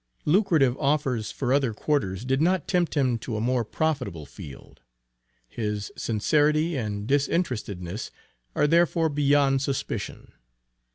Lucrative offers for other quarters did not tempt him to a more profitable field. His sincerity and disinterestedness are therefore beyond suspicion.